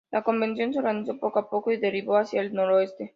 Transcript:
La convección se organizó poco a poco, y derivó hacia el noroeste.